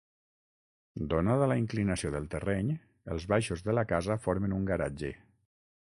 Donada la inclinació del terreny, els baixos de la casa formen un garatge.